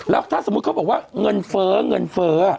แล้วเบอร์เขาบอกว่างานเฟ้